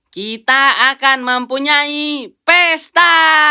kita akan mempunyai pesta